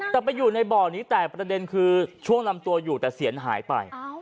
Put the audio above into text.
แต่ไปอยู่ในบ่อนี้แต่ประเด็นคือช่วงลำตัวอยู่แต่เสียงหายไป